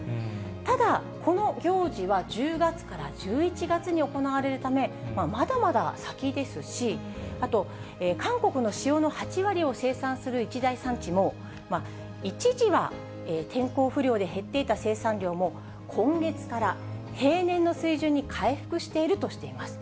ただ、この行事は１０月から１１月に行われるため、まだまだ先ですし、あと韓国の塩の８割を生産する一大産地も、一時は天候不良で減っていた生産量も、今月から平年の水準に回復しているとしています。